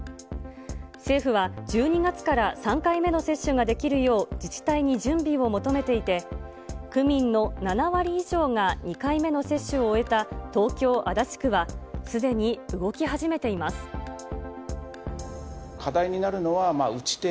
政府は１２月から３回目の接種ができるよう、自治体に準備を求めていて、区民の７割以上が２回目の接種を終えた東京・足立区は、すでに動課題になるのは打ち手。